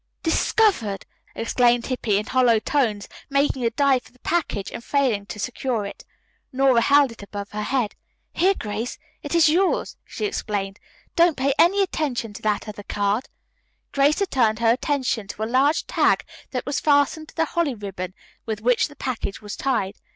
"Discovered!" exclaimed Hippy in hollow tones, making a dive for the package and failing to secure it. Nora held it above her head. "Here, Grace, it's yours," she explained. "Don't pay any attention to that other card." Grace had turned her attention to a large tag that was fastened to the holly ribbon with which the package was tied.